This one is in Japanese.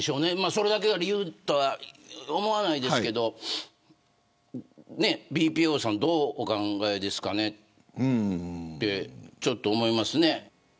それだけが理由とは思わないですけどＢＰＯさん、どうお考えですかねと、ちょっと思いますね。